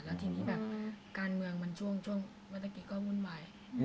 แล้วทีนี้แบบการเมืองมันช่วงเวลาเมื่อกี้ก็วุ่นวาย